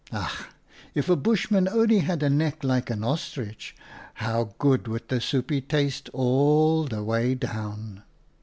"Ach! if a Bushman only had a neck like an ostrich! How good would the soopje taste all the way down